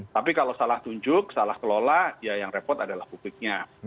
tapi kalau salah tunjuk salah kelola ya yang repot adalah publiknya